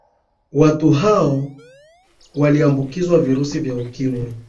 watu hao waliambukizwa virusi vya ukimwi